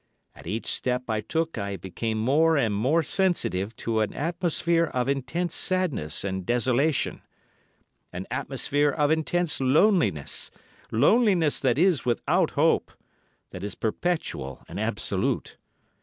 At each step I took I became more and more sensitive to an atmosphere of intense sadness and desolation—an atmosphere of intense loneliness, loneliness that is without hope—that is perpetual and absolute.